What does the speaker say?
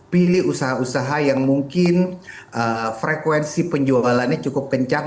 pilih usaha usaha yang mungkin frekuensi penjualannya cukup kencang